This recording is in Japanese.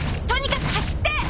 とにかく走って！